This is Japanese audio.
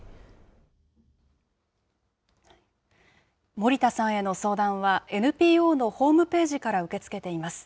森田さんへの相談は、ＮＰＯのホームページから受け付けています。